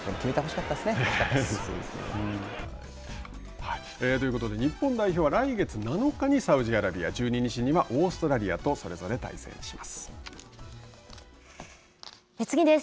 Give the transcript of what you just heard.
決めてほしかったですね。ということで日本代表は来月７日にサウジアラビア１２日にはオーストラリアとそれぞれ対戦します。